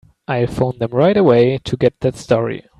I'll phone them right away to get that story.